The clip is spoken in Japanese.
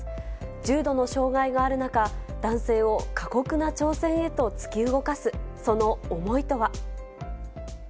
重度の障がいがある中、男性を過酷な挑戦へと突き動かす、その思いとは。